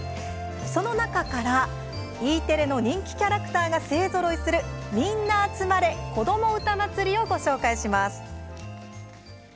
その中から、Ｅテレの人気キャラクターが勢ぞろいする「みんな集まれ！こどもうたまつり」をご紹介します。